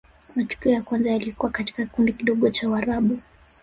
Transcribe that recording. matukio ya kwanza yalikuwa katika kikundi kidogo cha warabu